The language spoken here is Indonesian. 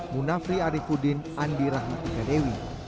munafri arifudin andi rahmat iqadewi